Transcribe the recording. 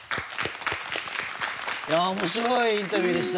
おもしろいインタビューでした。